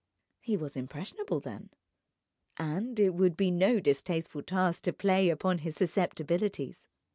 He was impressionable, then. And it would be no distasteful task to play upon his susceptibilities.